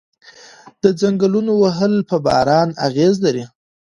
د ځنګلونو وهل په باران اغیز لري؟